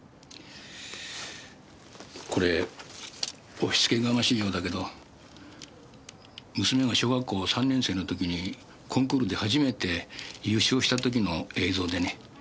これ押しつけがましいようだけど娘が小学校３年生の時にコンクールで初めて優勝した時の映像でね。